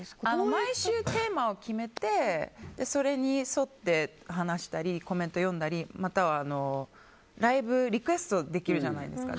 毎週テーマを決めてそれに沿って話したりコメントを読んだりまたはライブリクエストできるじゃないですか。